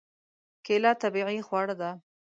کېله طبیعي خواړه ده.